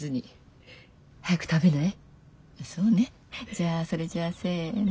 じゃあそれじゃあせの。